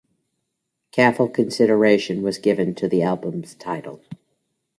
Careful consideration was given to the album's title.